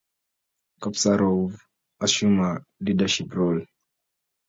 Kasparov assumed a leadership role.